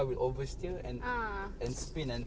พร้อมหรือยัง